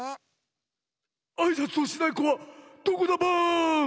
・あいさつをしないこはどこだバーン！